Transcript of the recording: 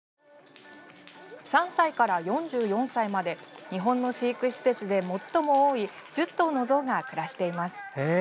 ３歳から４４歳まで日本の飼育施設で最も多い１０頭のゾウが暮らしています。